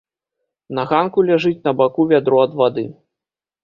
На ганку ляжыць на баку вядро ад вады.